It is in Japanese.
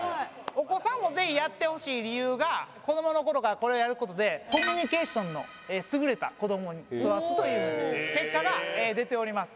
お子さんもぜひやってほしい理由が子どもの頃からこれをやる事でコミュニケーションの優れた子どもに育つという風に結果が出ております。